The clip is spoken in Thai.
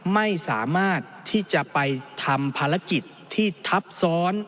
ไม่สามารถที่จะไปทำภารกิจที่ทับซ้อน